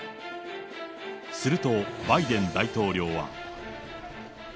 すると、バイデン大統領は。